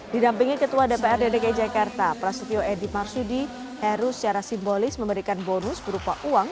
didampingi ketua dprd dki jakarta prasetyo edi marsudi heru secara simbolis memberikan bonus berupa uang